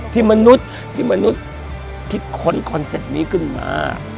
ที่มนุษย์ทิกค้นคอนเซ็ตนี้ขึ้นมา